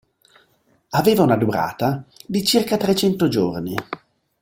Aveva una durata di circa trecento giorni.